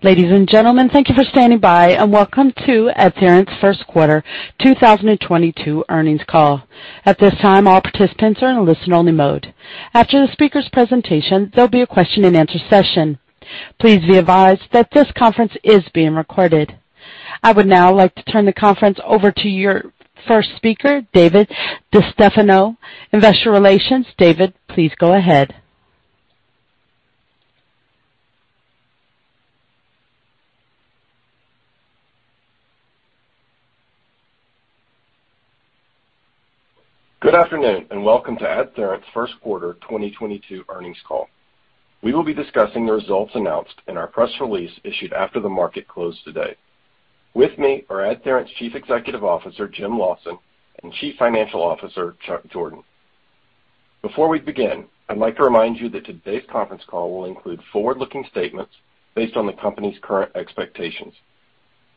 Ladies and gentlemen, thank you for standing by, and welcome to AdTheorent's Q1 2022 earnings call. At this time, all participants are in a listen only mode. After the speaker's presentation, there'll be a question and answer session. Please be advised that this conference is being recorded. I would now like to turn the conference over to your first speaker, David DiStefano, Investor Relations. David, please go ahead. Good afternoon and welcome to AdTheorent's Q1 2022 earnings call. We will be discussing the results announced in our press release issued after the market closed today. With me are AdTheorent's Chief Executive Officer, Jim Lawson, and Chief Financial Officer, Chuck Jordan. Before we begin, I'd like to remind you that today's conference call will include forward-looking statements based on the company's current expectations.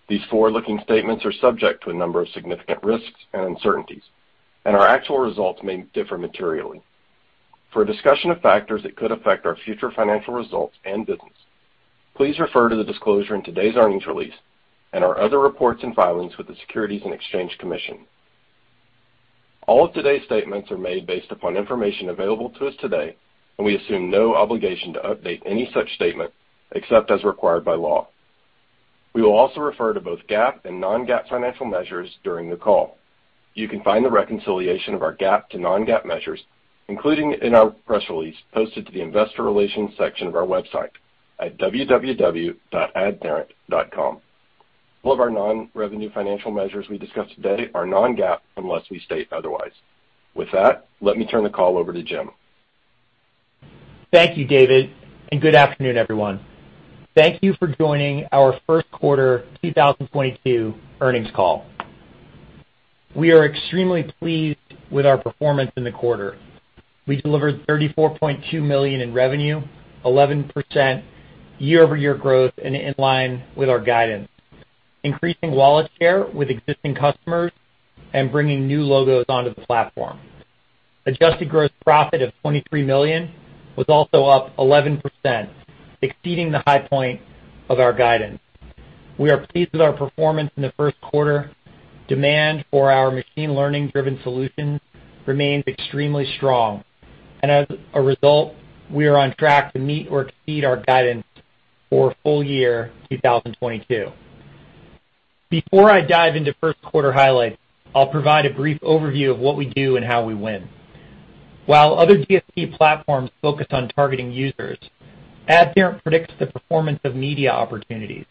These forward-looking statements are subject to a number of significant risks and uncertainties, and our actual results may differ materially. For a discussion of factors that could affect our future financial results and business, please refer to the disclosure in today's earnings release and our other reports and filings with the Securities and Exchange Commission. All of today's statements are made based upon information available to us today, and we assume no obligation to update any such statement except as required by law. We will also refer to both GAAP and non-GAAP financial measures during the call. You can find the reconciliation of our GAAP to non-GAAP measures, including in our press release posted to the investor relations section of our website at www.adtheorent.com. All of our non-revenue financial measures we discuss today are non-GAAP unless we state otherwise. With that, let me turn the call over to Jim. Thank you, David, and good afternoon, everyone. Thank you for joining our Q1 2022 earnings call. We are extremely pleased with our performance in the quarter. We delivered $34.2 million in revenue, 11% year-over-year growth and in line with our guidance, increasing wallet share with existing customers and bringing new logos onto the platform. Adjusted gross profit of $23 million was also up 11%, exceeding the high point of our guidance. We are pleased with our performance in the Q1. Demand for our machine learning-driven solutions remains extremely strong, and as a result, we are on track to meet or exceed our guidance for full year 2022. Before I dive into Q1 highlights, I'll provide a brief overview of what we do and how we win. While other DSP platforms focus on targeting users, AdTheorent predicts the performance of media opportunities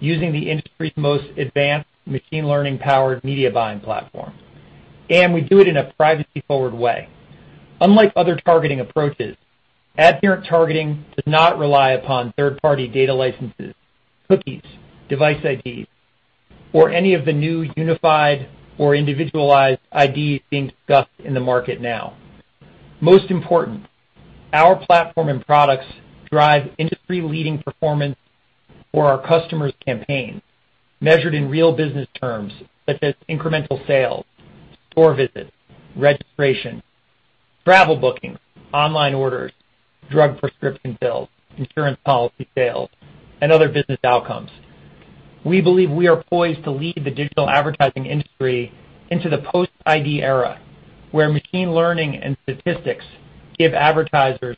using the industry's most advanced machine learning-powered media buying platform, and we do it in a privacy-forward way. Unlike other targeting approaches, AdTheorent targeting does not rely upon third-party data licenses, cookies, device IDs, or any of the new unified or individualized IDs being discussed in the market now. Most important, our platform and products drive industry-leading performance for our customers' campaigns, measured in real business terms such as incremental sales, store visits, registrations, travel bookings, online orders, drug prescription fills, insurance policy sales, and other business outcomes. We believe we are poised to lead the digital advertising industry into the post-ID era, where machine learning and statistics give advertisers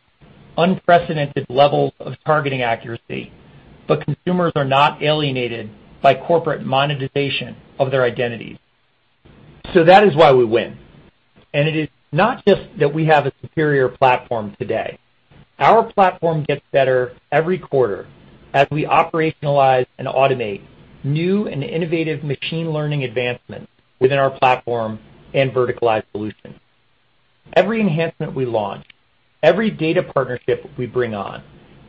unprecedented levels of targeting accuracy, but consumers are not alienated by corporate monetization of their identities. That is why we win. It is not just that we have a superior platform today. Our platform gets better every quarter as we operationalize and automate new and innovative machine learning advancements within our platform and verticalized solutions. Every enhancement we launch, every data partnership we bring on,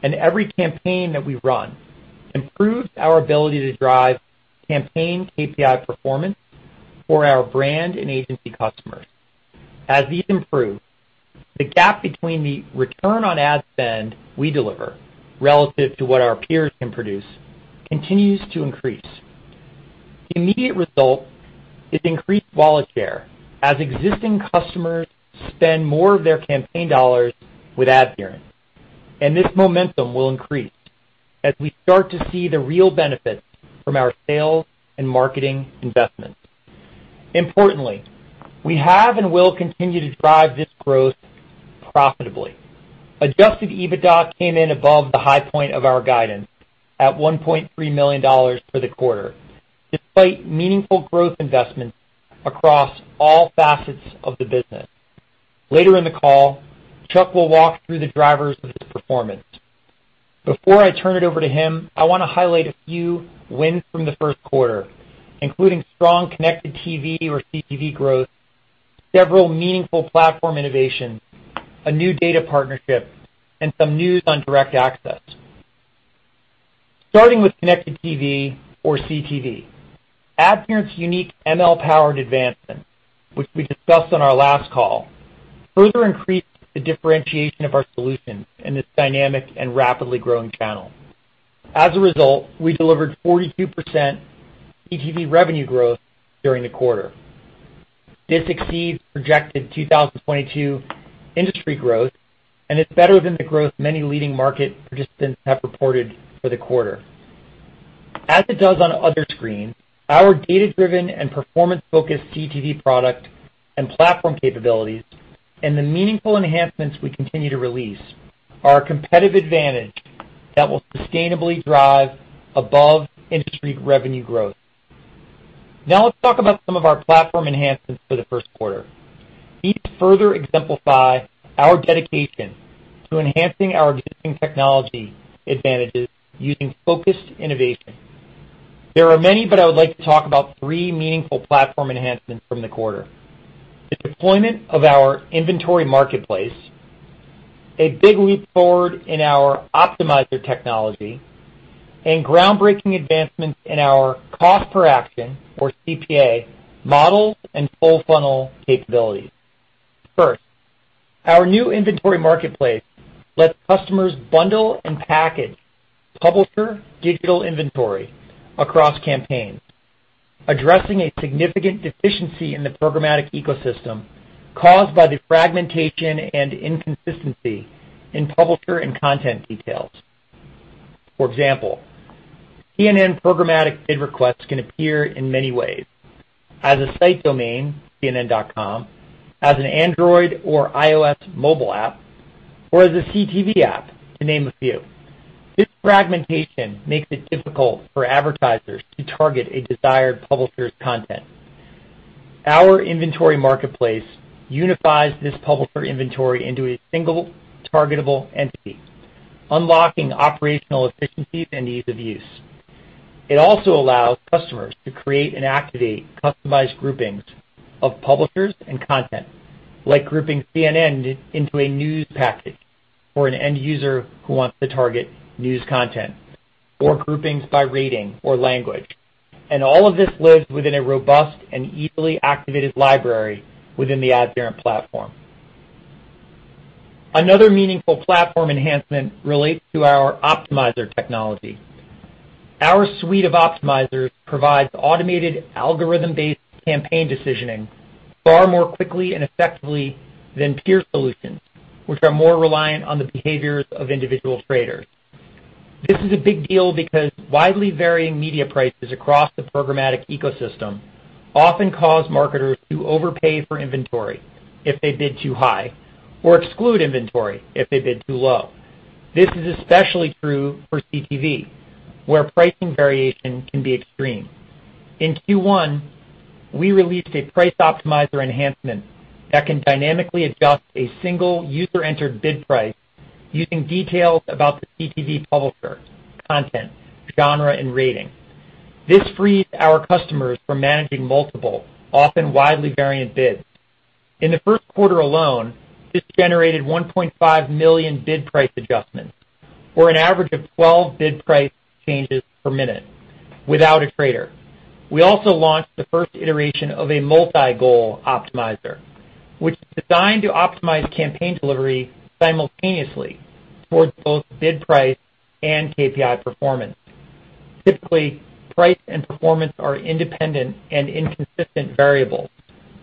and every campaign that we run improves our ability to drive campaign KPI performance for our brand and agency customers. As these improve, the gap between the return on ad spend we deliver relative to what our peers can produce continues to increase. The immediate result is increased wallet share as existing customers spend more of their campaign dollars with AdTheorent, and this momentum will increase as we start to see the real benefits from our sales and marketing investments. Importantly, we have and will continue to drive this growth profitably. Adjusted EBITDA came in above the high point of our guidance at $1.3 million for the quarter, despite meaningful growth investments across all facets of the business. Later in the call, Chuck will walk through the drivers of this performance. Before I turn it over to him, I wanna highlight a few wins from the Q1, including strong connected TV or CTV growth, several meaningful platform innovations, a new data partnership, and some news on Direct Access. Starting with connected TV or CTV. AdTheorent's unique ML-powered advancement, which we discussed on our last call, further increased the differentiation of our solution in this dynamic and rapidly growing channel. As a result, we delivered 42% CTV revenue growth during the quarter. This exceeds projected 2022 industry growth and is better than the growth many leading market participants have reported for the quarter. As it does on other screens, our data-driven and performance-focused CTV product and platform capabilities and the meaningful enhancements we continue to release are a competitive advantage that will sustainably drive above-industry revenue growth. Now let's talk about some of our platform enhancements for the Q1. These further exemplify our dedication to enhancing our existing technology advantages using focused innovation. There are many, but I would like to talk about three meaningful platform enhancements from the quarter. The deployment of our Inventory Marketplace, a big leap forward in our optimizer technology, and groundbreaking advancements in our cost per action, or CPA, models and full funnel capabilities. First, our new Inventory Marketplace lets customers bundle and package publisher digital inventory across campaigns, addressing a significant deficiency in the programmatic ecosystem caused by the fragmentation and inconsistency in publisher and content details. For example, CNN programmatic bid requests can appear in many ways, as a site domain, cnn.com, as an Android or iOS mobile app, or as a CTV app, to name a few. This fragmentation makes it difficult for advertisers to target a desired publisher's content. Our Inventory Marketplace unifies this publisher inventory into a single targetable entity, unlocking operational efficiencies and ease of use. It also allows customers to create and activate customized groupings of publishers and content, like grouping CNN into a news package for an end user who wants to target news content, or groupings by rating or language. All of this lives within a robust and easily activated library within the AdTheorent platform. Another meaningful platform enhancement relates to our optimizer technology. Our suite of optimizers provides automated algorithm-based campaign decisioning far more quickly and effectively than peer solutions, which are more reliant on the behaviors of individual traders. This is a big deal because widely varying media prices across the programmatic ecosystem often cause marketers to overpay for inventory if they bid too high, or exclude inventory if they bid too low. This is especially true for CTV, where pricing variation can be extreme. In Q1, we released a price optimizer enhancement that can dynamically adjust a single user-entered bid price using details about the CTV publisher, content, genre, and rating. This frees our customers from managing multiple, often widely variant bids. In the Q1 alone, this generated 1.5 million bid price adjustments, or an average of 12 bid price changes per minute without a trader. We also launched the first iteration of a multi-goal optimizer, which is designed to optimize campaign delivery simultaneously towards both bid price and KPI performance. Typically, price and performance are independent and inconsistent variables,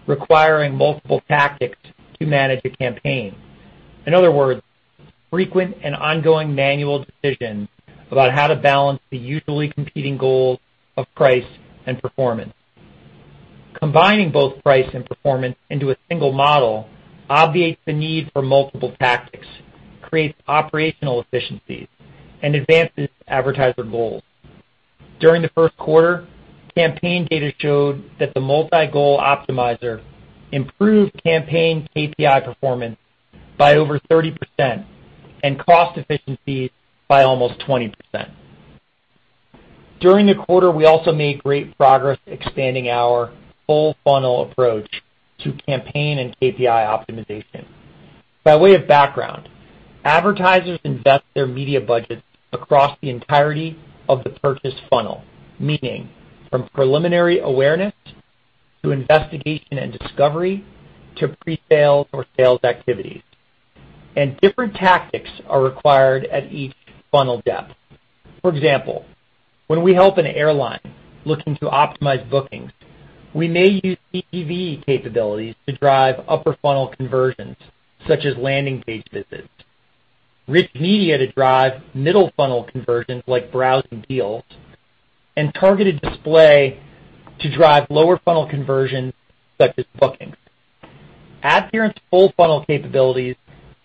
requiring multiple tactics to manage a campaign. In other words, frequent and ongoing manual decisions about how to balance the usually competing goals of price and performance. Combining both price and performance into a single model obviates the need for multiple tactics, creates operational efficiencies, and advances advertiser goals. During the Q1, campaign data showed that the multi-goal optimizer improved campaign KPI performance by over 30% and cost efficiencies by almost 20%. During the quarter, we also made great progress expanding our full funnel approach to campaign and KPI optimization. By way of background, advertisers invest their media budgets across the entirety of the purchase funnel, meaning from preliminary awareness to investigation and discovery to pre-sales or sales activities. Different tactics are required at each funnel depth. For example, when we help an airline looking to optimize bookings, we may use CTV capabilities to drive upper funnel conversions, such as landing page visits, rich media to drive middle funnel conversions like browsing deals, and targeted display to drive lower funnel conversions such as bookings. AdTheorent's full funnel capabilities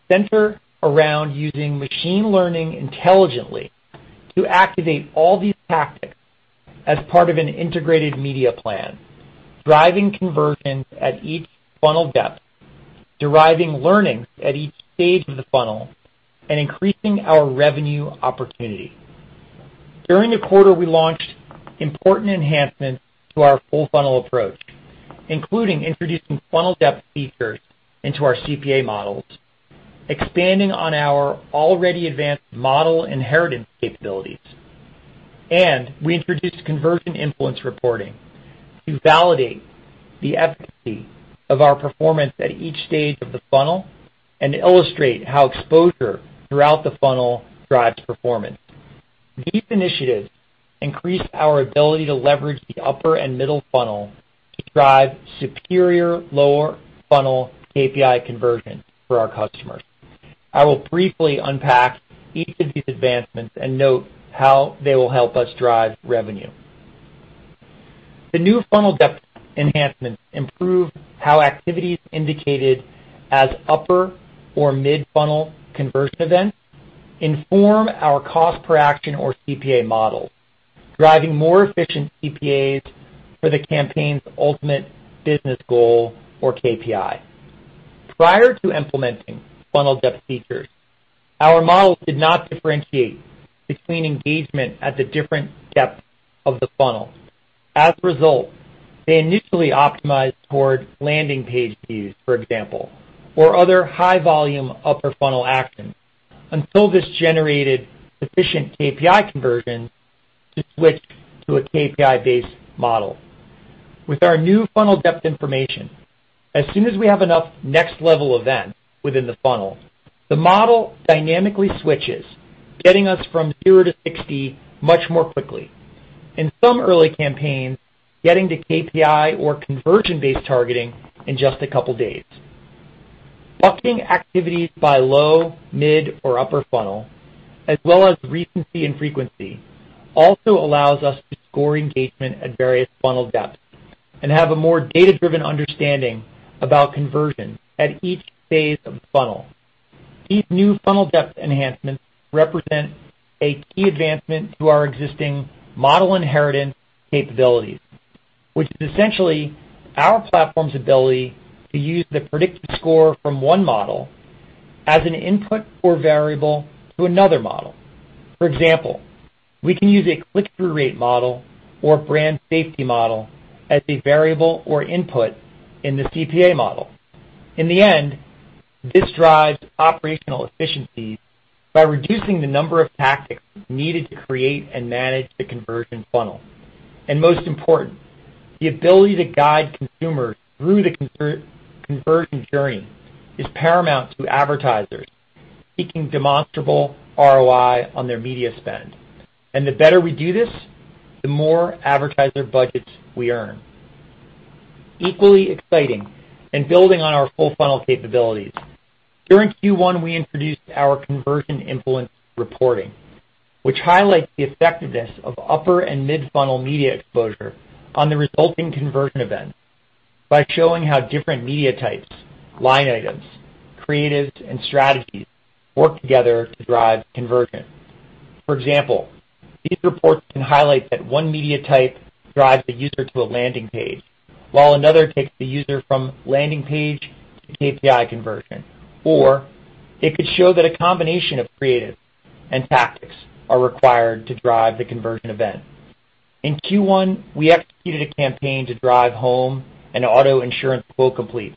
center around using machine learning intelligently to activate all these tactics as part of an integrated media plan, driving conversions at each funnel depth, deriving learnings at each stage of the funnel, and increasing our revenue opportunity. During the quarter, we launched important enhancements to our full funnel approach, including introducing funnel depth features into our CPA models, expanding on our already advanced model inheritance capabilities, and we introduced Conversion Influence Reporting to validate the efficacy of our performance at each stage of the funnel and illustrate how exposure throughout the funnel drives performance. These initiatives increase our ability to leverage the upper and middle funnel to drive superior lower funnel KPI conversions for our customers. I will briefly unpack each of these advancements and note how they will help us drive revenue. The new funnel depth enhancements improve how activities indicated as upper or mid-funnel conversion events inform our cost per action or CPA model, driving more efficient CPAs for the campaign's ultimate business goal or KPI. Prior to implementing funnel depth features, our model did not differentiate between engagement at the different depths of the funnel. As a result, they initially optimized toward landing page views, for example, or other high volume upper funnel actions until this generated sufficient KPI conversions to switch to a KPI-based model. With our new funnel depth information, as soon as we have enough next level events within the funnel, the model dynamically switches, getting us from zero to sixty much more quickly. In some early campaigns, getting to KPI or conversion-based targeting in just a couple of days. Bucketing activities by low, mid, or upper funnel, as well as recency and frequency, also allows us to score engagement at various funnel depths and have a more data-driven understanding about conversion at each phase of the funnel. These new funnel depth enhancements represent a key advancement to our existing model inheritance capabilities, which is essentially our platform's ability to use the predictive score from one model as an input or variable to another model. For example, we can use a click-through rate model or brand safety model as a variable or input in the CPA model. In the end, this drives operational efficiencies by reducing the number of tactics needed to create and manage the conversion funnel. Most important, the ability to guide consumers through the conversion journey is paramount to advertisers seeking demonstrable ROI on their media spend. The better we do this, the more advertiser budgets we earn. Equally exciting, and building on our full funnel capabilities, during Q1, we introduced our Conversion Influence Reporting, which highlights the effectiveness of upper and mid-funnel media exposure on the resulting conversion events by showing how different media types, line items, creatives, and strategies work together to drive conversion. For example, these reports can highlight that one media type drives the user to a landing page, while another takes the user from landing page to KPI conversion. Or it could show that a combination of creative and tactics are required to drive the conversion event. In Q1, we executed a campaign to drive home and auto insurance quote complete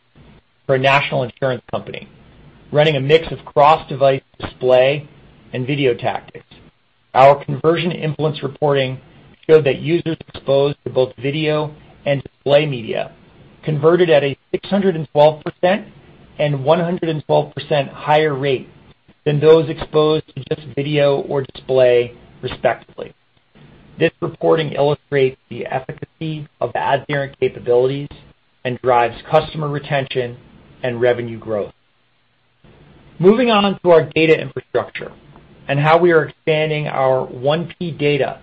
for a national insurance company, running a mix of cross-device display and video tactics. Our conversion influence reporting showed that users exposed to both video and display media converted at a 612% and 112% higher rate than those exposed to just video or display, respectively. This reporting illustrates the efficacy of the AdTheorent capabilities and drives customer retention and revenue growth. Moving on to our data infrastructure and how we are expanding our 1P data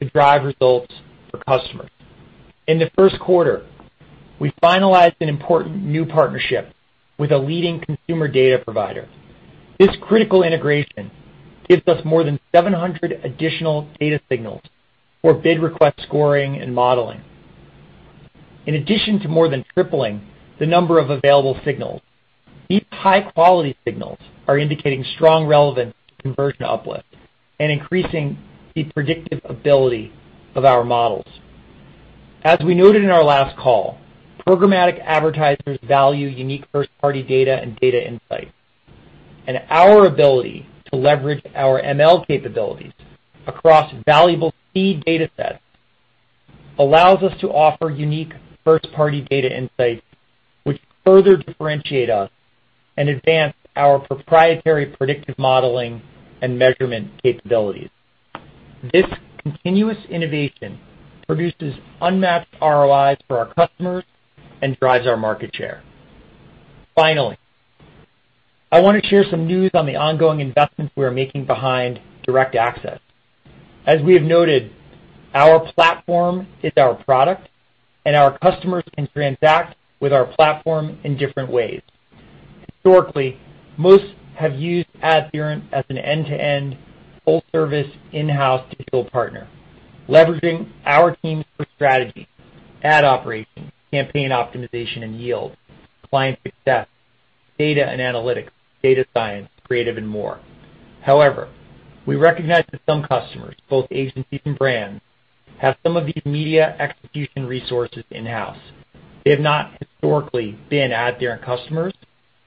to drive results for customers. In the Q1, we finalized an important new partnership with a leading consumer data provider. This critical integration gives us more than 700 additional data signals for bid request scoring and modeling. In addition to more than tripling the number of available signals, these high-quality signals are indicating strong relevance to conversion uplifts and increasing the predictive ability of our models. As we noted in our last call, programmatic advertisers value unique first-party data and data insights. Our ability to leverage our ML capabilities across valuable seed datasets allows us to offer unique first-party data insights, which further differentiate us and advance our proprietary predictive modeling and measurement capabilities. This continuous innovation produces unmatched ROIs for our customers and drives our market share. Finally, I want to share some news on the ongoing investments we are making behind Direct Access. As we have noted, our platform is our product, and our customers can transact with our platform in different ways. Historically, most have used AdTheorent as an end-to-end full-service in-house digital partner, leveraging our teams for strategy, ad operations, campaign optimization and yield, client success, data and analytics, data science, creative, and more. However, we recognize that some customers, both agencies and brands, have some of these media execution resources in-house. They have not historically been AdTheorent customers,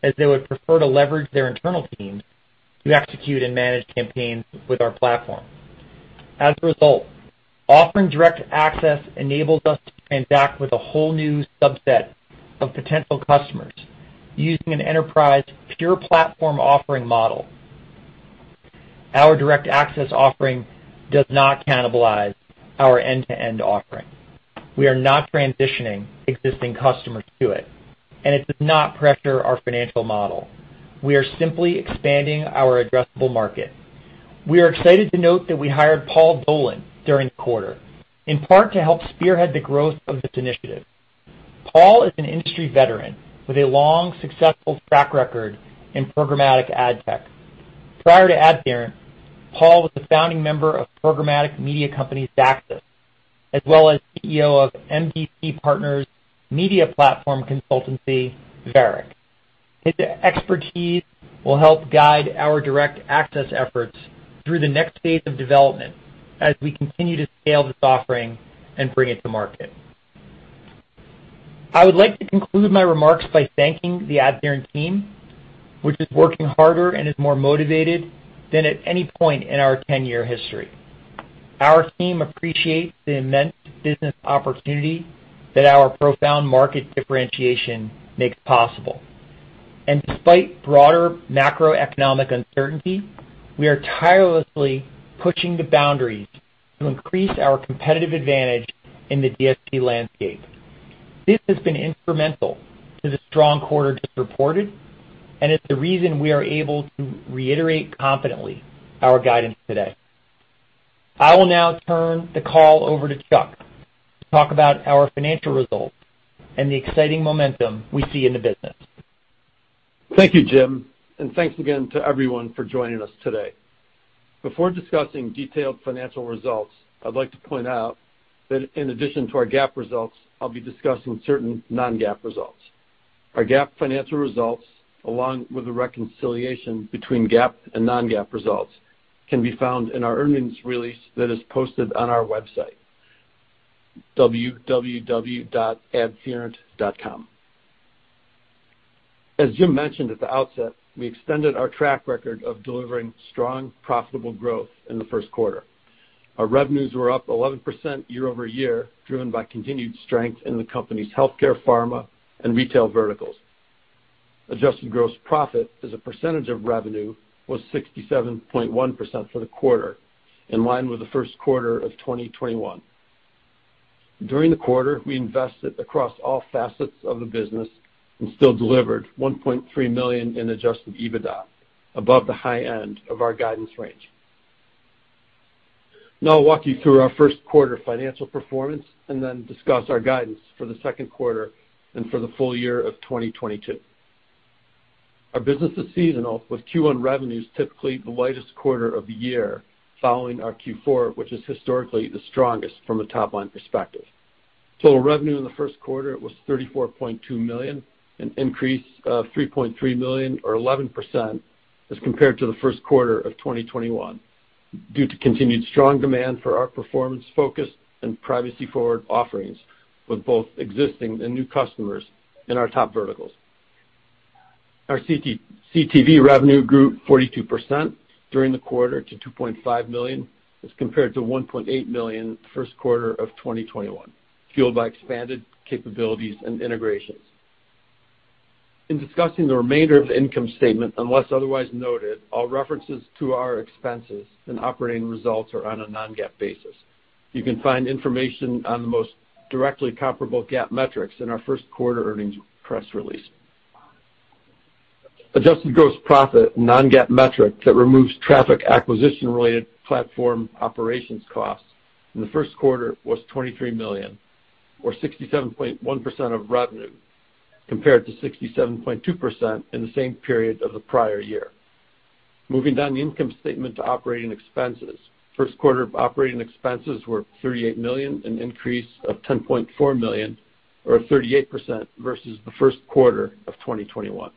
as they would prefer to leverage their internal teams to execute and manage campaigns with our platform. As a result, offering Direct Access enables us to transact with a whole new subset of potential customers using an enterprise pure platform offering model. Our Direct Access offering does not cannibalize our end-to-end offering. We are not transitioning existing customers to it, and it does not pressure our financial model. We are simply expanding our addressable market. We are excited to note that we hired Paul Dolan during the quarter, in part to help spearhead the growth of this initiative. Paul is an industry veteran with a long, successful track record in programmatic ad tech. Prior to AdTheorent, Paul was a founding member of programmatic media company Xaxis, as well as CEO of MDC Partners' media platform consultancy, Varick. His expertise will help guide our Direct Access efforts through the next phase of development as we continue to scale this offering and bring it to market. I would like to conclude my remarks by thanking the AdTheorent team, which is working harder and is more motivated than at any point in our ten-year history. Our team appreciates the immense business opportunity that our profound market differentiation makes possible. Despite broader macroeconomic uncertainty, we are tirelessly pushing the boundaries to increase our competitive advantage in the DSP landscape. This has been instrumental to the strong quarter just reported and is the reason we are able to reiterate confidently our guidance today. I will now turn the call over to Chuck to talk about our financial results and the exciting momentum we see in the business. Thank you, Jim, and thanks again to everyone for joining us today. Before discussing detailed financial results, I'd like to point out that in addition to our GAAP results, I'll be discussing certain non-GAAP results. Our GAAP financial results, along with a reconciliation between GAAP and non-GAAP results, can be found in our earnings release that is posted on our website, www.adtheorent.com. As Jim mentioned at the outset, we extended our track record of delivering strong, profitable growth in the Q1. Our revenues were up 11% year-over-year, driven by continued strength in the company's healthcare, pharma, and retail verticals. Adjusted gross profit as a percentage of revenue was 67.1% for the quarter, in line with the Q1 of 2021. During the quarter, we invested across all facets of the business and still delivered $1.3 million in Adjusted EBITDA above the high end of our guidance range. Now I'll walk you through our Q1 financial performance and then discuss our guidance for the Q2 and for the full year of 2022. Our business is seasonal, with Q1 revenues typically the lightest quarter of the year, following our Q4, which is historically the strongest from a top-line perspective. Total revenue in the Q1 was $34.2 million, an increase of $3.3 million, or 11%, as compared to the Q1 of 2021, due to continued strong demand for our performance-focused and privacy-forward offerings with both existing and new customers in our top verticals. Our CTV revenue grew 42% during the quarter to $2.5 million as compared to $1.8 million Q1 of 2021, fueled by expanded capabilities and integrations. In discussing the remainder of the income statement, unless otherwise noted, all references to our expenses and operating results are on a non-GAAP basis. You can find information on the most directly comparable GAAP metrics in our Q1 earnings press release. Adjusted gross profit, a non-GAAP metric that removes traffic acquisition-related platform operations costs, in the Q1 was $23 million, or 67.1% of revenue, compared to 67.2% in the same period of the prior year. Moving down the income statement to operating expenses. Q1 operating expenses were $38 million, an increase of $10.4 million or 38% versus the Q1 of 2021.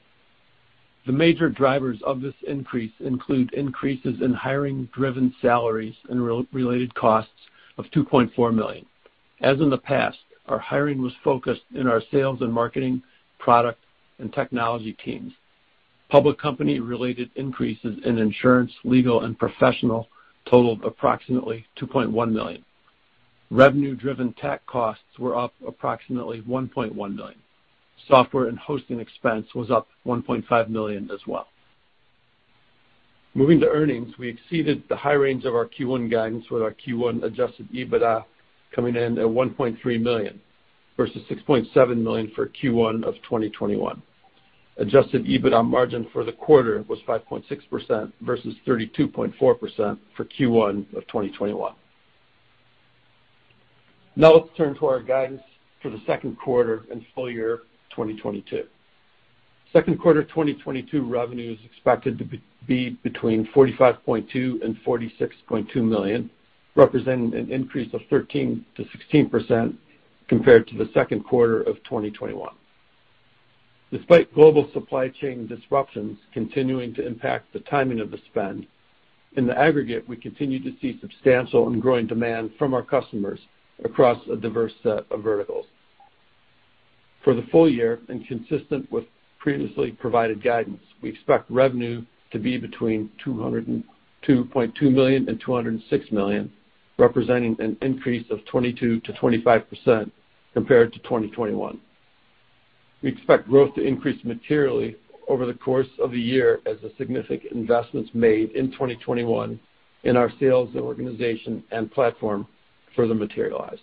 The major drivers of this increase include increases in hiring-driven salaries and related costs of $2.4 million. As in the past, our hiring was focused in our sales and marketing, product, and technology teams. Public company-related increases in insurance, legal, and professional totaled approximately $2.1 million. Revenue-driven tech costs were up approximately $1.1 million. Software and hosting expense was up $1.5 million as well. Moving to earnings, we exceeded the high range of our Q1 guidance with our Q1 Adjusted EBITDA coming in at $1.3 million versus $6.7 million for Q1 of 2021. Adjusted EBITDA margin for the quarter was 5.6% versus 32.4% for Q1 of 2021. Now let's turn to our guidance for the Q2 and full year 2022. Q2 2022 revenue is expected to be between $45.2 million and $46.2 million, representing an increase of 13%-16% compared to the Q2 of 2021. Despite global supply chain disruptions continuing to impact the timing of the spend, in the aggregate, we continue to see substantial and growing demand from our customers across a diverse set of verticals. For the full year and consistent with previously provided guidance, we expect revenue to be between $202.2 million and $206 million, representing an increase of 22%-25% compared to 2021. We expect growth to increase materially over the course of the year as the significant investments made in 2021 in our sales organization and platform further materialize.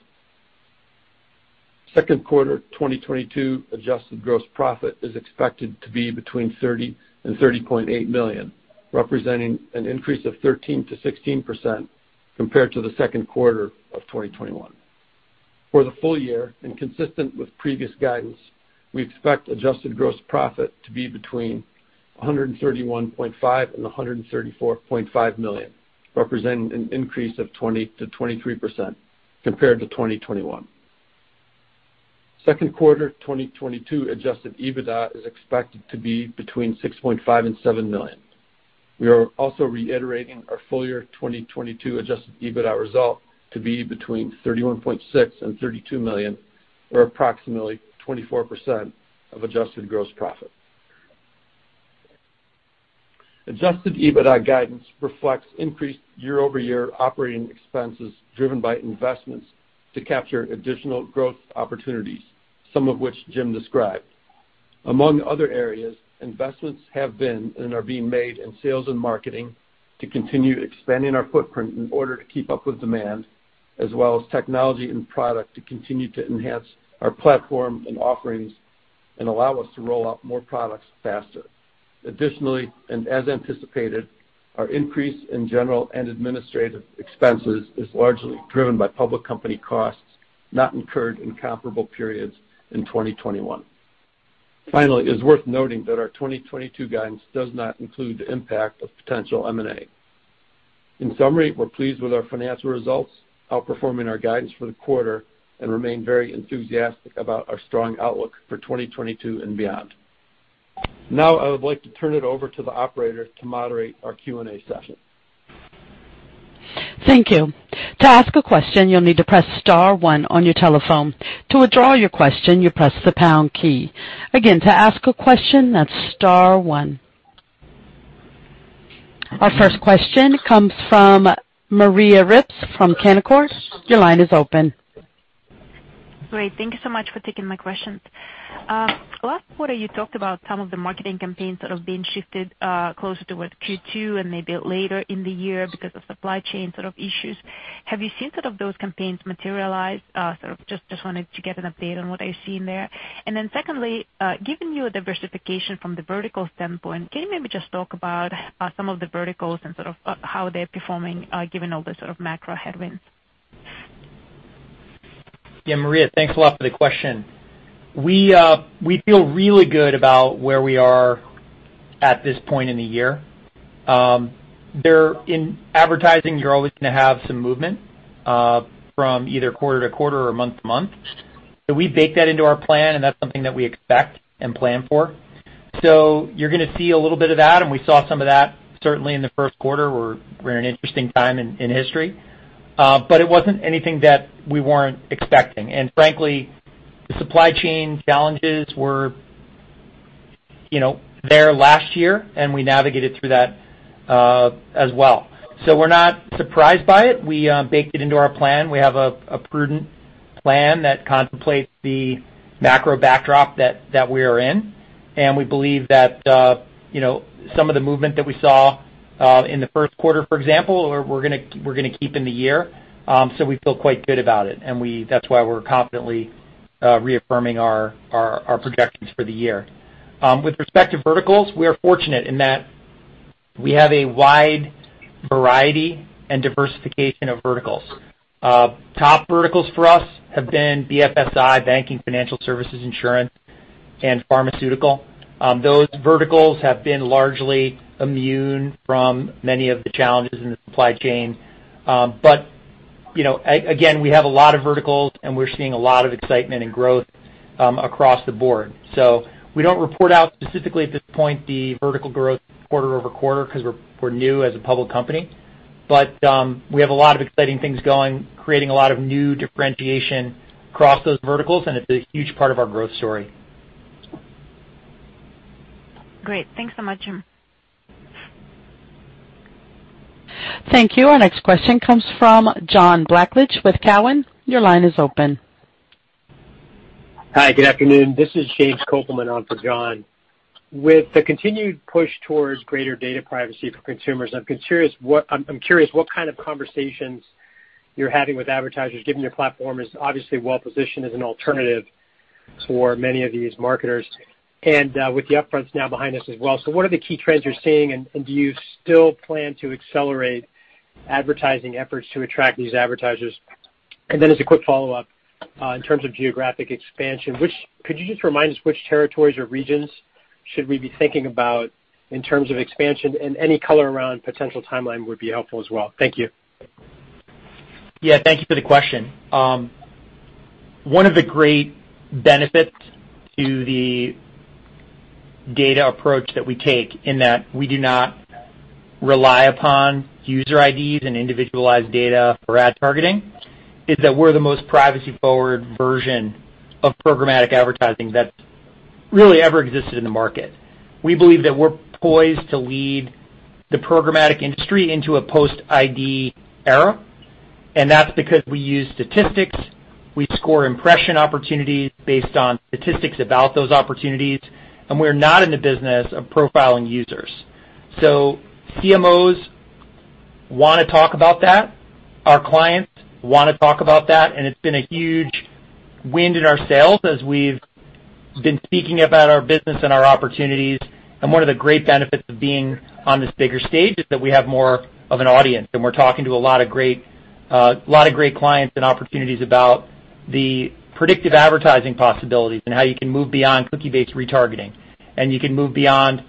Q2 2022 adjusted gross profit is expected to be between $30 million-$30.8 million, representing an increase of 13%-16% compared to the Q2 of 2021. For the full year and consistent with previous guidance, we expect adjusted gross profit to be between $131.5 million-$134.5 million, representing an increase of 20%-23% compared to 2021. Q2 2022 adjusted EBITDA is expected to be between $6.5 million-$7 million. We are also reiterating our full year 2022 adjusted EBITDA result to be between $31.6 million-$32 million or approximately 24% of adjusted gross profit. Adjusted EBITDA guidance reflects increased year-over-year operating expenses driven by investments to capture additional growth opportunities, some of which Jim described. Among other areas, investments have been and are being made in sales and marketing to continue expanding our footprint in order to keep up with demand, as well as technology and product to continue to enhance our platform and offerings and allow us to roll out more products faster. Additionally, and as anticipated, our increase in general and administrative expenses is largely driven by public company costs not incurred in comparable periods in 2021. Finally, it is worth noting that our 2022 guidance does not include the impact of potential M&A. In summary, we're pleased with our financial results, outperforming our guidance for the quarter and remain very enthusiastic about our strong outlook for 2022 and beyond. Now I would like to turn it over to the operator to moderate our Q&A session. Thank you. To ask a question, you'll need to press star one on your telephone. To withdraw your question, you press the pound key. Again, to ask a question, that's star one. Our first question comes from Maria Ripps from Canaccord. Your line is open. Great. Thank you so much for taking my questions. Last quarter, you talked about some of the marketing campaigns that have been shifted closer towards Q2 and maybe later in the year because of supply chain sort of issues. Have you seen sort of those campaigns materialize? Sort of just wanted to get an update on what I see in there. Then secondly, given your diversification from the vertical standpoint, can you maybe just talk about some of the verticals and sort of how they're performing, given all the sort of macro headwinds? Yeah, Maria, thanks a lot for the question. We feel really good about where we are at this point in the year. In advertising, you're always gonna have some movement from either quarter to quarter or month to month. We bake that into our plan, and that's something that we expect and plan for. You're gonna see a little bit of that, and we saw some of that certainly in the Q1. We're an interesting time in history, but it wasn't anything that we weren't expecting. Frankly, the supply chain challenges were, you know, there last year, and we navigated through that, as well. We're not surprised by it. We baked it into our plan. We have a prudent plan that contemplates the macro backdrop that we are in. We believe that, you know, some of the movement that we saw in the Q1, for example, we're gonna keep in the year, so we feel quite good about it. That's why we're confidently reaffirming our projections for the year. With respect to verticals, we are fortunate in that we have a wide variety and diversification of verticals. Top verticals for us have been BFSI, banking, financial services, insurance, and pharmaceutical. Those verticals have been largely immune from many of the challenges in the supply chain. You know, again, we have a lot of verticals, and we're seeing a lot of excitement and growth across the board. We don't report out specifically at this point the vertical growth quarter-over-quarter because we're new as a public company. We have a lot of exciting things going, creating a lot of new differentiation across those verticals, and it's a huge part of our growth story. Great. Thanks so much, Jim. Thank you. Our next question comes from John Blackledge with Cowen. Your line is open. Hi, good afternoon. This is James Kopelman on for John. With the continued push towards greater data privacy for consumers, I'm curious what kind of conversations you're having with advertisers, given your platform is obviously well-positioned as an alternative for many of these marketers. With the upfronts now behind us as well. What are the key trends you're seeing, and do you still plan to accelerate advertising efforts to attract these advertisers? Then as a quick follow-up, in terms of geographic expansion, could you just remind us which territories or regions should we be thinking about in terms of expansion and any color around potential timeline would be helpful as well. Thank you. Yeah, thank you for the question. One of the great benefits to the data approach that we take in that we do not rely upon user IDs and individualized data for ad targeting is that we're the most privacy-forward version of programmatic advertising that's really ever existed in the market. We believe that we're poised to lead the programmatic industry into a post-ID era, and that's because we use statistics. We score impression opportunities based on statistics about those opportunities, and we're not in the business of profiling users. CMOs wanna talk about that, our clients wanna talk about that, and it's been a huge win in our sales as we've been speaking about our business and our opportunities. One of the great benefits of being on this bigger stage is that we have more of an audience, and we're talking to a lot of great clients and opportunities about the predictive advertising possibilities and how you can move beyond cookie-based retargeting, and you can move beyond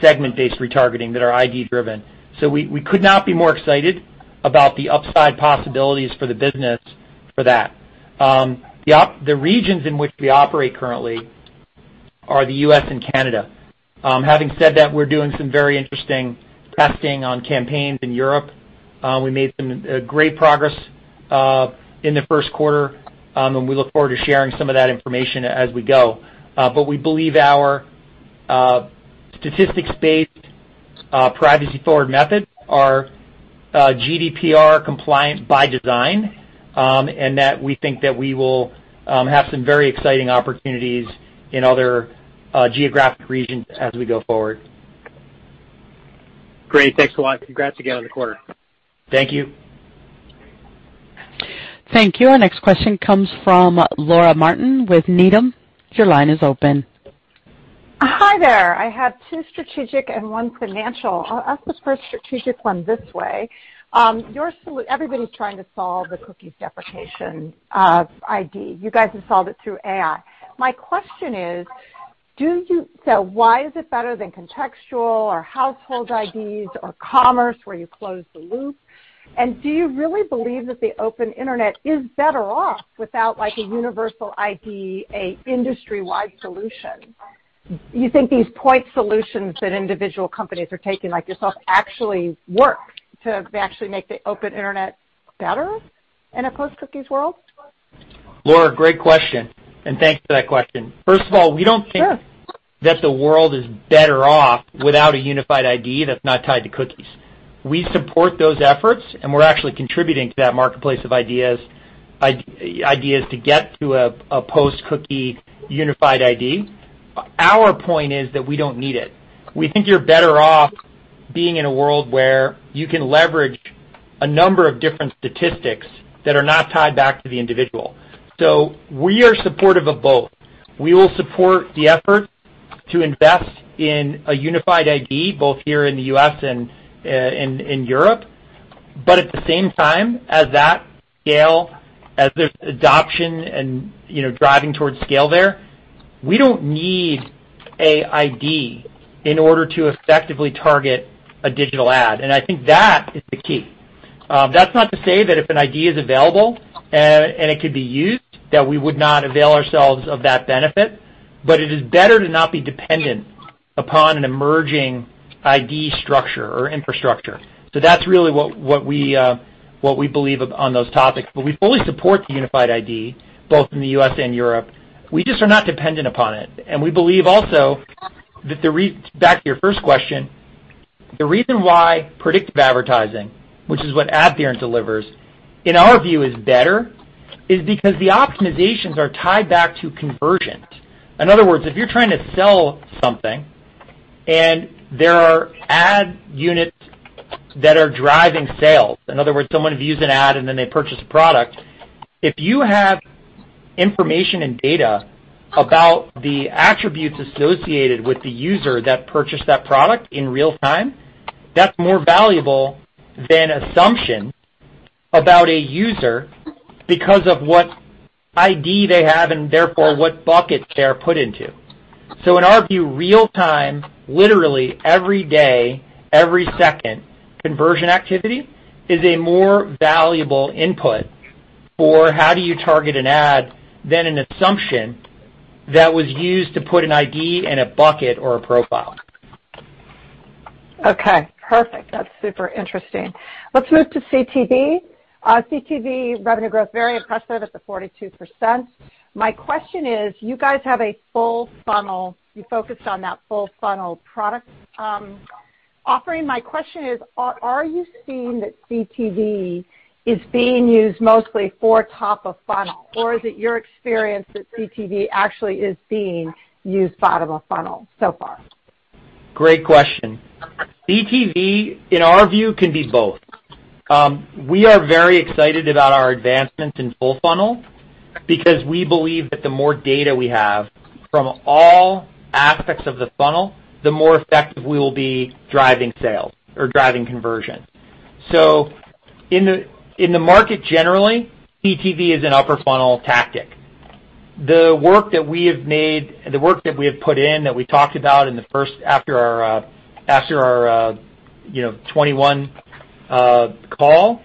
segment-based retargeting that are ID driven. We could not be more excited about the upside possibilities for the business for that. The regions in which we operate currently are the U.S. and Canada. Having said that, we're doing some very interesting testing on campaigns in Europe. We made some great progress in the Q1, and we look forward to sharing some of that information as we go. We believe our statistics-based, privacy-forward method are GDPR compliant by design, and that we think that we will have some very exciting opportunities in other geographic regions as we go forward. Great. Thanks a lot. Congrats again on the quarter. Thank you. Thank you. Our next question comes from Laura Martin with Needham. Your line is open. Hi there. I have two strategic and one financial. I'll ask the first strategic one this way. Everybody's trying to solve the cookies deprecation of ID. You guys have solved it through AI. My question is, why is it better than contextual or household IDs or commerce where you close the loop? Do you really believe that the open internet is better off without like a universal ID, a industry-wide solution? You think these point solutions that individual companies are taking, like yourself, actually work to actually make the open internet better in a post cookies world? Laura, great question, and thanks for that question. First of all, we don't think- Sure. That the world is better off without a unified ID that's not tied to cookies. We support those efforts, and we're actually contributing to that marketplace of ideas, ID ideas to get to a post-cookie unified ID. Our point is that we don't need it. We think you're better off being in a world where you can leverage a number of different statistics that are not tied back to the individual. We are supportive of both. We will support the effort to invest in a unified ID, both here in the U.S. and in Europe. At the same time, as that scale, as there's adoption and, you know, driving towards scale there, we don't need a ID in order to effectively target a digital ad. I think that is the key. That's not to say that if an ID is available and it could be used, that we would not avail ourselves of that benefit, but it is better to not be dependent upon an emerging ID structure or infrastructure. That's really what we believe on those topics. We fully support the unified ID both in the U.S. and Europe. We just are not dependent upon it. We believe also that back to your first question, the reason why predictive advertising, which is what AdTheorent delivers, in our view is better, is because the optimizations are tied back to convergent. In other words, if you're trying to sell something and there are ad units that are driving sales, in other words, someone views an ad, and then they purchase a product, if you have information and data about the attributes associated with the user that purchased that product in real time, that's more valuable than assumption about a user because of what ID they have and therefore what buckets they are put into. So in our view, real time, literally every day, every second conversion activity is a more valuable input for how do you target an ad than an assumption that was used to put an ID in a bucket or a profile. Okay, perfect. That's super interesting. Let's move to CTV. CTV revenue growth, very impressive at 42%. My question is, you guys have a full funnel. You focused on that full funnel product, offering. My question is, are you seeing that CTV is being used mostly for top of funnel, or is it your experience that CTV actually is being used bottom of funnel so far? Great question. CTV, in our view, can be both. We are very excited about our advancements in full funnel because we believe that the more data we have from all aspects of the funnel, the more effective we will be driving sales or driving conversion. In the market generally, CTV is an upper funnel tactic. The work that we have made, the work that we have put in, that we talked about after our, you know, 21 call.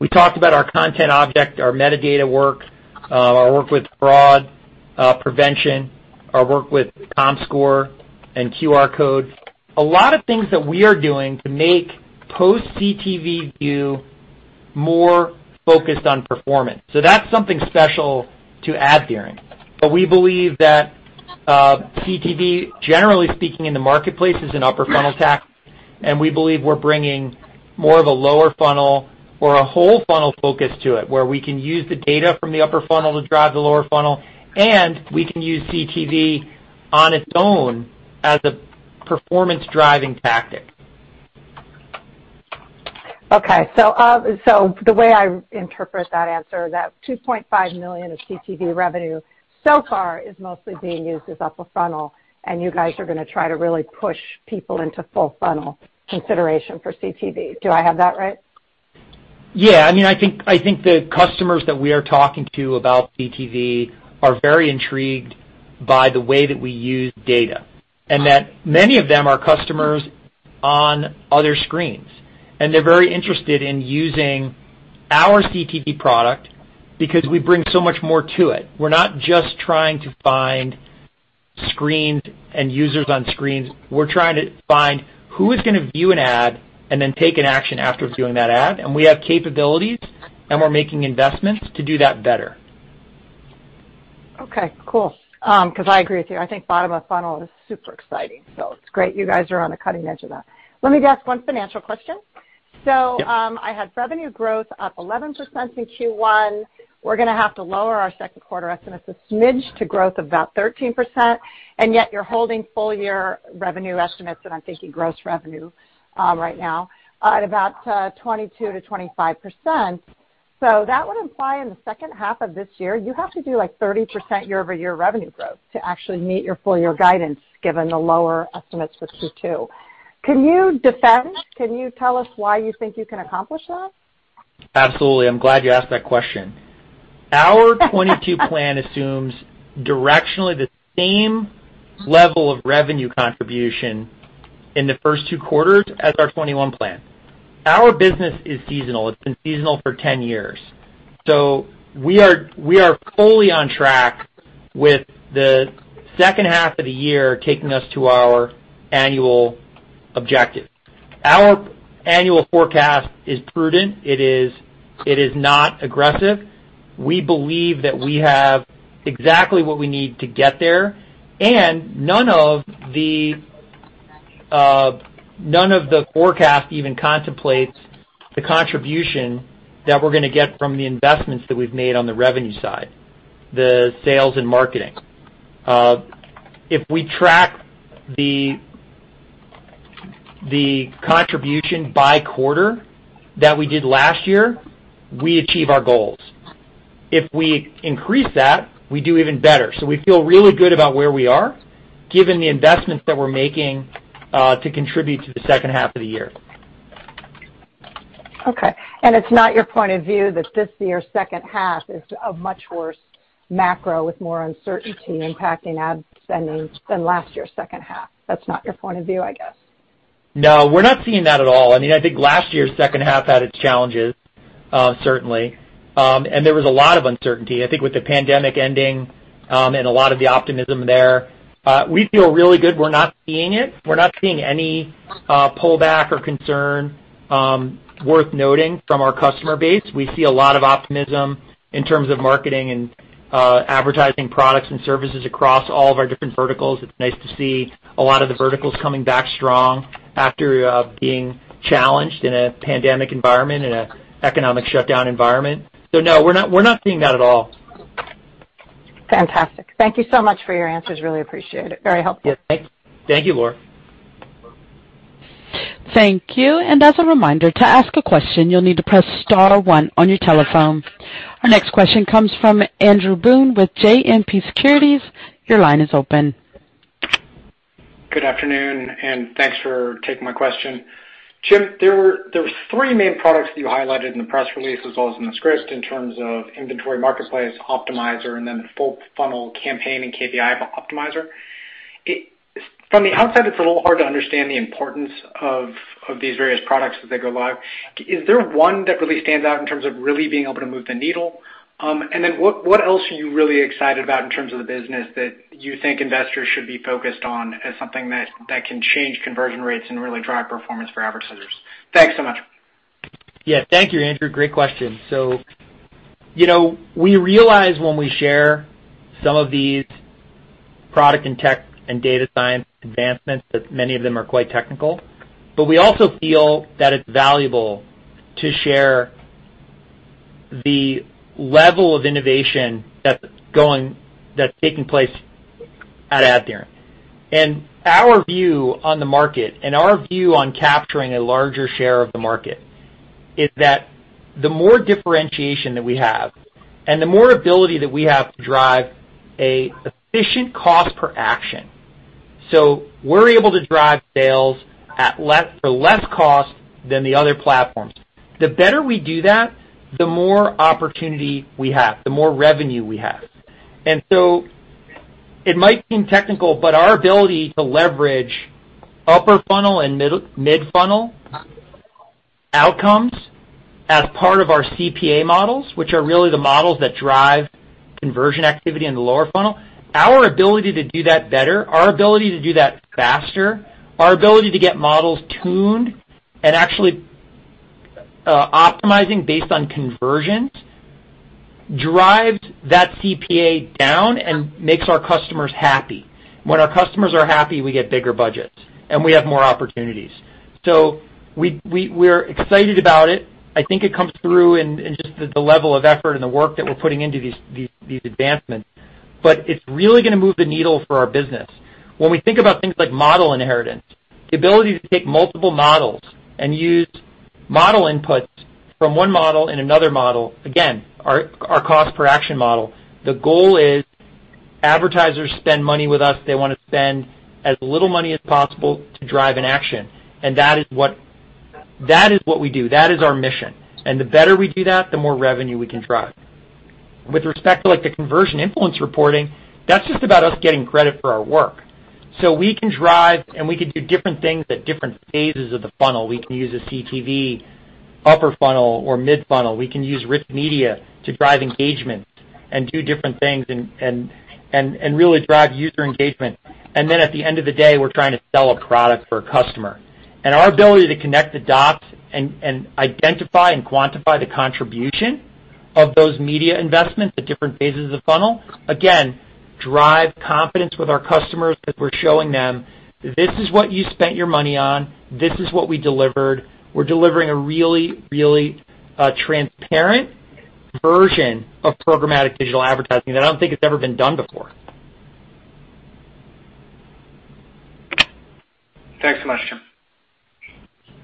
We talked about our content object, our metadata work, our work with fraud prevention, our work with Comscore and QR code. A lot of things that we are doing to make post CTV view more focused on performance. That's something special to AdTheorent. We believe that CTV, generally speaking in the marketplace, is an upper funnel tactic, and we believe we're bringing more of a lower funnel or a whole funnel focus to it, where we can use the data from the upper funnel to drive the lower funnel, and we can use CTV on its own as a performance-driving tactic. Okay. The way I interpret that answer, that $2.5 million of CTV revenue so far is mostly being used as upper funnel, and you guys are gonna try to really push people into full funnel consideration for CTV. Do I have that right? Yeah. I mean, I think the customers that we are talking to about CTV are very intrigued by the way that we use data, and that many of them are customers on other screens. They're very interested in using our CTV product because we bring so much more to it. We're not just trying to find screens and users on screens. We're trying to find who is gonna view an ad and then take an action after viewing that ad. We have capabilities, and we're making investments to do that better. Okay, cool. 'Cause I agree with you. I think bottom of funnel is super exciting. It's great you guys are on the cutting edge of that. Let me ask one financial question. Yep. I had revenue growth up 11% in Q1. We're gonna have to lower our Q2 estimates a smidge to growth of about 13%, and yet you're holding full year revenue estimates, and I'm thinking gross revenue, right now, at about 22%-25%. That would imply in the H2 of this year, you have to do, like, 30% year-over-year revenue growth to actually meet your full year guidance given the lower estimates for Q2. Can you defend? Can you tell us why you think you can accomplish that? Absolutely. I'm glad you asked that question. Our 2022 plan assumes directionally the same level of revenue contribution in the first two quarters as our 2021 plan. Our business is seasonal. It's been seasonal for ten years. We are fully on track with the H2 of the year taking us to our annual objective. Our annual forecast is prudent. It is not aggressive. We believe that we have exactly what we need to get there. None of the forecast even contemplates the contribution that we're gonna get from the investments that we've made on the revenue side, the sales and marketing. If we track the contribution by quarter that we did last year, we achieve our goals. If we increase that, we do even better. We feel really good about where we are, given the investments that we're making, to contribute to the Q2 of the year. Okay. It's not your point of view that this year's Q2 is a much worse macro with more uncertainty impacting ad spending than last year's H2. That's not your point of view, I guess. No, we're not seeing that at all. I mean, I think last year's H2 had its challenges, certainly. There was a lot of uncertainty. I think with the pandemic ending, and a lot of the optimism there, we feel really good. We're not seeing it. We're not seeing any pullback or concern worth noting from our customer base. We see a lot of optimism in terms of marketing and advertising products and services across all of our different verticals. It's nice to see a lot of the verticals coming back strong after being challenged in a pandemic environment, in an economic shutdown environment. No, we're not seeing that at all. Fantastic. Thank you so much for your answers. Really appreciate it. Very helpful. Yeah. Thank you, Laura. Thank you. As a reminder, to ask a question, you'll need to press star one on your telephone. Our next question comes from Andrew Boone with JMP Securities. Your line is open. Good afternoon, and thanks for taking my question. Jim, there were three main products that you highlighted in the press release, as well as in the script, in terms of Inventory Marketplace optimizer and then full funnel campaign and KPI optimizer. From the outside, it's a little hard to understand the importance of these various products as they go live. Is there one that really stands out in terms of really being able to move the needle? And then what else are you really excited about in terms of the business that you think investors should be focused on as something that can change conversion rates and really drive performance for advertisers? Thanks so much. Yeah. Thank you, Andrew. Great question. You know, we realize when we share some of these product and tech and data science advancements, that many of them are quite technical. We also feel that it's valuable to share the level of innovation that's taking place at AdTheorent. Our view on the market and our view on capturing a larger share of the market is that the more differentiation that we have and the more ability that we have to drive an efficient cost per action, so we're able to drive sales for less cost than the other platforms, the better we do that, the more opportunity we have, the more revenue we have. It might seem technical, but our ability to leverage upper funnel and mid-funnel outcomes as part of our CPA models, which are really the models that drive conversion activity in the lower funnel. Our ability to do that better, our ability to do that faster, our ability to get models tuned and actually optimizing based on conversions, drives that CPA down and makes our customers happy. When our customers are happy, we get bigger budgets and we have more opportunities. We're excited about it. I think it comes through in just the level of effort and the work that we're putting into these advancements. It's really gonna move the needle for our business. When we think about things like model inheritance, the ability to take multiple models and use model inputs from one model in another model, again, our cost per action model, the goal is advertisers spend money with us. They wanna spend as little money as possible to drive an action, and that is what we do. That is our mission. The better we do that, the more revenue we can drive. With respect to, like, the Conversion Influence Reporting, that's just about us getting credit for our work. We can drive and we can do different things at different phases of the funnel. We can use a CTV upper funnel or mid-funnel. We can use rich media to drive engagement and do different things and really drive user engagement. Then at the end of the day, we're trying to sell a product for a customer. Our ability to connect the dots and identify and quantify the contribution of those media investments at different phases of the funnel, again, drive confidence with our customers that we're showing them, "This is what you spent your money on. This is what we delivered." We're delivering a really transparent version of programmatic digital advertising that I don't think it's ever been done before. Thanks so much, Jim.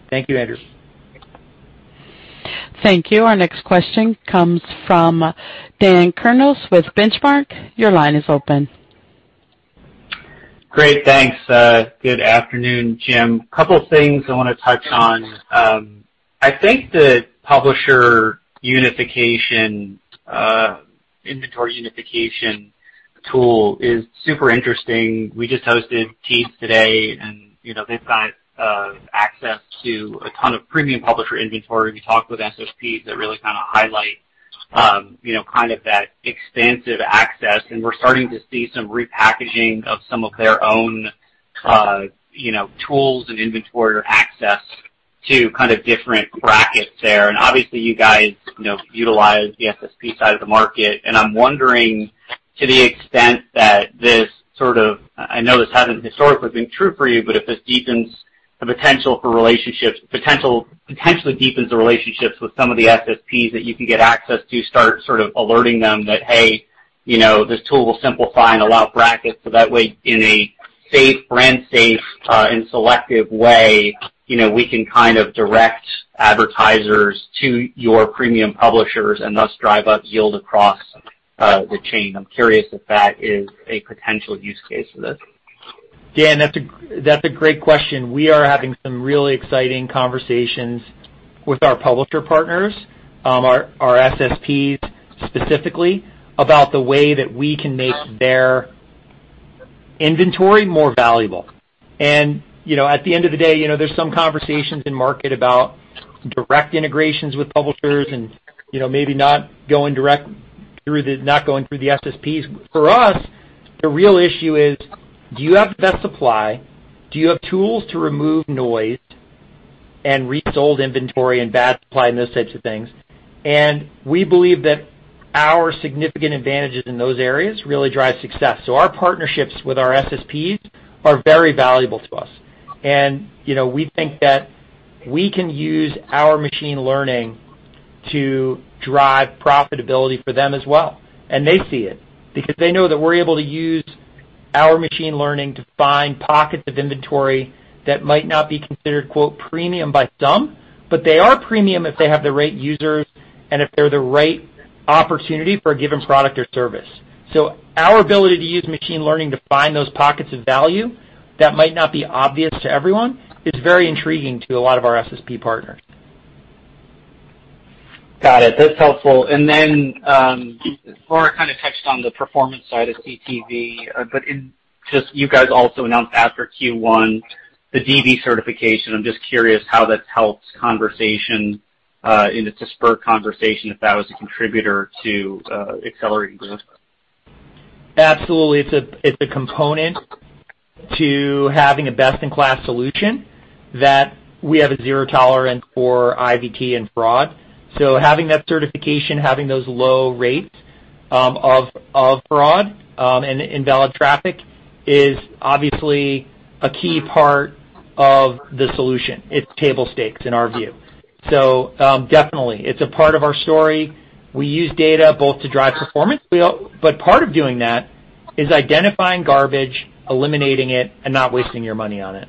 Thank you, Andrew. Thank you. Our next question comes from Dan Kurnos with Benchmark. Your line is open. Great. Thanks. Good afternoon, Jim. Couple things I wanna touch on. I think the publisher unification, inventory unification tool is super interesting. We just hosted teams today, and you know, they've got access to a ton of premium publisher inventory. We talked with SSPs that really kinda highlight, you know, kind of that expansive access, and we're starting to see some repackaging of some of their own, you know, tools and inventory or access to kind of different brackets there. Obviously, you guys, you know, utilize the SSP side of the market, and I'm wondering, to the extent that this sort of I know this hasn't historically been true for you, but if this potentially deepens the relationships with some of the SSPs that you can get access to start sort of alerting them that, hey, you know, this tool will simplify and allow brackets so that way in a safe, brand safe, and selective way, you know, we can kind of direct advertisers to your premium publishers and thus drive up yield across the chain. I'm curious if that is a potential use case for this. Dan, that's a great question. We are having some really exciting conversations with our publisher partners, our SSPs specifically about the way that we can make their inventory more valuable. You know, at the end of the day, you know, there's some conversations in market about direct integrations with publishers and, you know, maybe not going through the SSPs. For us, the real issue is do you have the best supply? Do you have tools to remove noise and resold inventory and bad supply and those types of things? We believe that our significant advantages in those areas really drive success. Our partnerships with our SSPs are very valuable to us. You know, we think that we can use our machine learning to drive profitability for them as well. They see it because they know that we're able to use our machine learning to find pockets of inventory that might not be considered "premium" by some, but they are premium if they have the right users and if they're the right opportunity for a given product or service. Our ability to use machine learning to find those pockets of value that might not be obvious to everyone is very intriguing to a lot of our SSP partners. Got it. That's helpful. Then Laura kind of touched on the performance side of CTV, but just you guys also announced after Q1 the DV certification. I'm just curious how that helps conversation and to spur conversation if that was a contributor to accelerating growth. Absolutely. It's a component to having a best-in-class solution that we have a zero tolerance for IVT and fraud. Having that certification, having those low rates of fraud and invalid traffic is obviously a key part of the solution. It's table stakes in our view. Definitely, it's a part of our story. We use data both to drive performance, but part of doing that is identifying garbage, eliminating it and not wasting your money on it.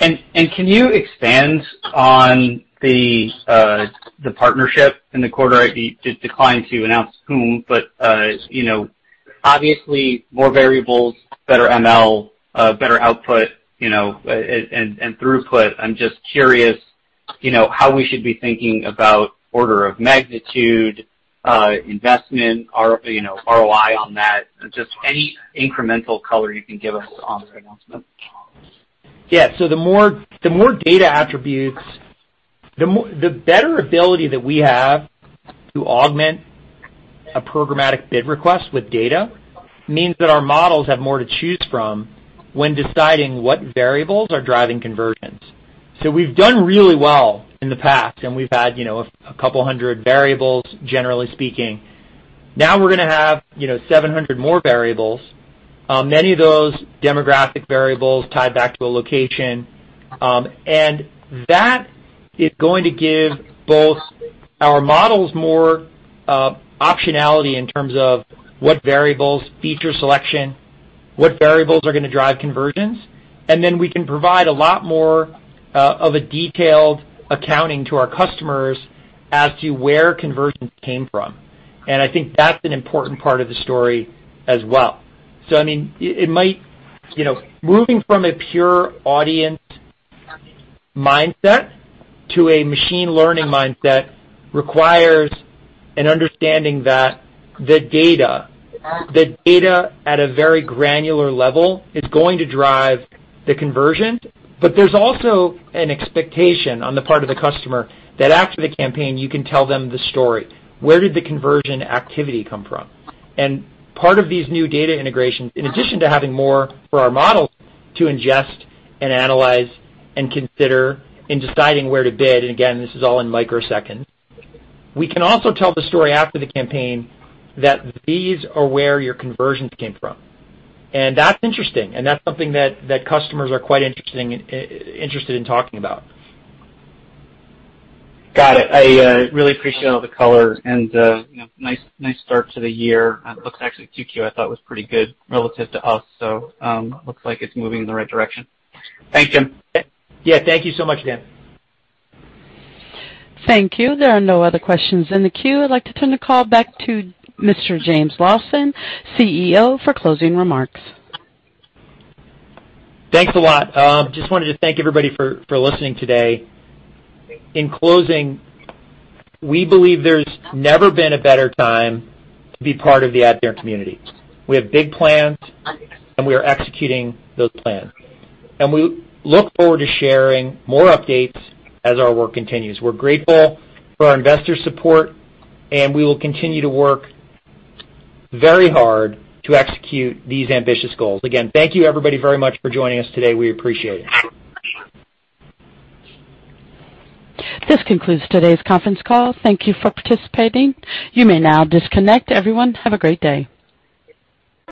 Can you expand on the partnership in the quarter? You declined to announce whom, but you know, obviously more variables, better ML, better output, you know, and throughput. I'm just curious. You know, how we should be thinking about order of magnitude, investment or, you know, ROI on that, just any incremental color you can give us on this announcement. Yeah. The more data attributes, the better ability that we have to augment a programmatic bid request with data means that our models have more to choose from when deciding what variables are driving conversions. We've done really well in the past, and we've had, you know, 200 variables, generally speaking. Now we're gonna have, you know, 700 more variables, many of those demographic variables tied back to a location. That is going to give both our models more optionality in terms of what variables, feature selection, are gonna drive conversions, and then we can provide a lot more of a detailed accounting to our customers as to where conversions came from. I think that's an important part of the story as well. I mean, it might. You know, moving from a pure audience mindset to a machine learning mindset requires an understanding that the data at a very granular level is going to drive the conversion. There's also an expectation on the part of the customer that after the campaign, you can tell them the story. Where did the conversion activity come from? Part of these new data integrations, in addition to having more for our models to ingest and analyze and consider in deciding where to bid, and again, this is all in microseconds, we can also tell the story after the campaign that these are where your conversions came from. That's interesting, and that's something that customers are quite interested in talking about. Got it. I really appreciate all the color and you know, nice start to the year. Looks actually 2Q, I thought was pretty good relative to us, so, looks like it's moving in the right direction. Thank you. Yeah. Thank you so much, Dan. Thank you. There are no other questions in the queue. I'd like to turn the call back to Mr. James Lawson, CEO, for closing remarks. Thanks a lot. Just wanted to thank everybody for listening today. In closing, we believe there's never been a better time to be part of the AdTheorent community. We have big plans, and we are executing those plans. We look forward to sharing more updates as our work continues. We're grateful for our investors' support, and we will continue to work very hard to execute these ambitious goals. Again, thank you everybody very much for joining us today. We appreciate it. This concludes today's conference call. Thank you for participating. You may now disconnect. Everyone, have a great day.